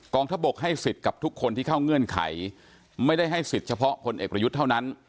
ทะบกให้สิทธิ์กับทุกคนที่เข้าเงื่อนไขไม่ได้ให้สิทธิ์เฉพาะพลเอกประยุทธ์เท่านั้น